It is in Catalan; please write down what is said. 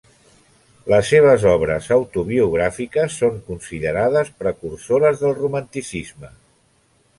Les seves obres autobiogràfiques són considerades precursores del romanticisme.